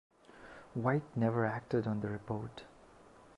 White never acted on the report.